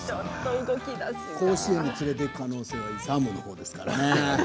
甲子園に連れていくほうは勇のほうですから。